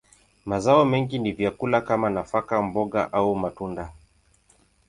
Mazao mengi ni vyakula kama nafaka, mboga, au matunda.